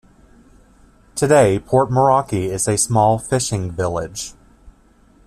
Today, Port Moeraki is a small fishing village.